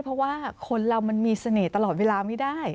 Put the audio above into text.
เพราะว่าคนเรามันมีเสน่ห์ตลอดเวลาไม่ได้